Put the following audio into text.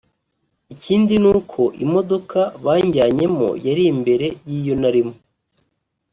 ikindi n’uko imodoka banjyanyemo yari imbere y’iyo narimo